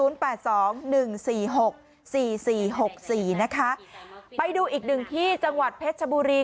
๐๘๒๑๔๖๔๔๖๔นะคะไปดูอีกหนึ่งที่จังหวัดเพชรชบุรี